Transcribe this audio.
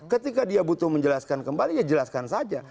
ketika dia butuh menjelaskan kembali ya jelaskan saja